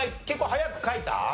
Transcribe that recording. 結構早く書いた？